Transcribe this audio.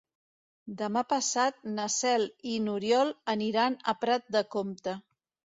Demà passat na Cel i n'Oriol aniran a Prat de Comte.